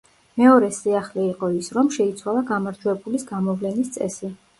მეორე სიახლე იყო ის, რომ შეიცვალა გამარჯვებულის გამოვლენის წესი.